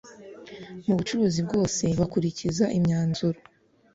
mu bucuruzi bwose bakurikiza imyanzuro